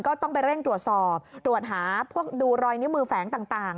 ก็ต้องไปเร่งตรวจสอบตรวจหาพวกดูรอยนิ้วมือแฝงต่าง